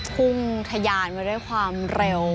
พุ่งทะยานมาด้วยความเร็ว